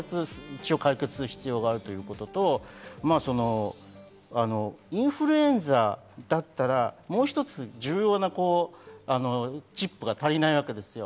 これが解決する必要があるということと、インフルエンザだったらもう一つ重要なチップが足りないわけですよ。